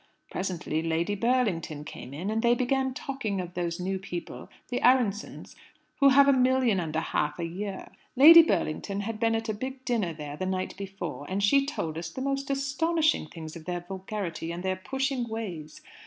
Presently Lady Burlington came in, and they began talking of those new people, the Aaronssohns, who have a million and a half a year. Lady Burlington had been at a big dinner there the night before, and she told us the most astonishing things of their vulgarity and their pushing ways.